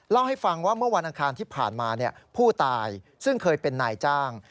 เล่าให้ฟังว่าเมื่อวันอังคารที่ผ่านมาผู้ตายซึ่งเคยเป็นนายจ้าง